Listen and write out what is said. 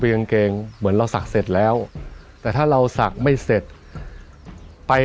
เป็นกางเกงเหมือนเราสักเสร็จแล้วแต่ถ้าเราสักไม่เสร็จไป